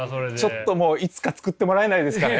ちょっともういつか作ってもらえないですかね。